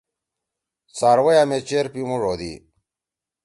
څاروئیا می چیر پیِمُوݜ ہودی۔